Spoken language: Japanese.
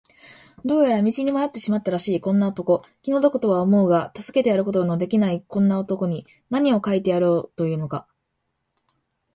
どうやら道に迷ってしまったらしいこんな男、気の毒とは思うが助けてやることのできないこんな男に、なにを書いてやろうというのか。